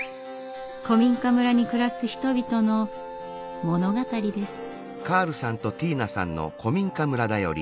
古民家村に暮らす人々の物語です。